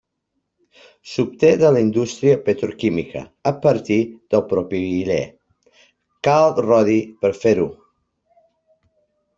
S’obté de la indústria petroquímica a partir del propilè, cal rodi per fer-ho.